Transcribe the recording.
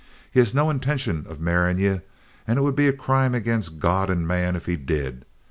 He has no intintion of marrying ye, and it would be a crime against God and man if he did.